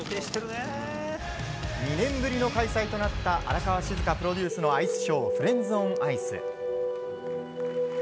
２年ぶりの開催となった荒川静香プロデュースのアイスショー「フレンズオンアイス」。